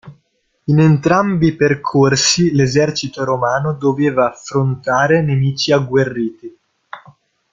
In entrambi percorsi l'esercito romano doveva affrontare nemici agguerriti.